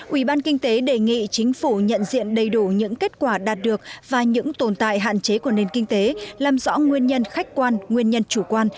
ubk đề nghị chính phủ nhận diện đầy đủ những kết quả đạt được và những tồn tại hạn chế của nền kinh tế làm rõ nguyên nhân khách quan nguyên nhân chủ quan